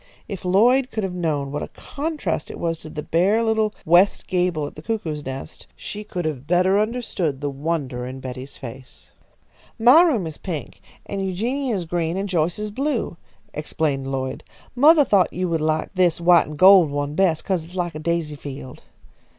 If Lloyd could have known what a contrast it was to the bare little west gable at the cuckoo's nest, she could have better understood the wonder in Betty's face. "My room is pink, and Eugenia's green, and Joyce's blue," explained Lloyd. "Mothah thought you would like this white and gold one best, 'cause it's like a daisy field."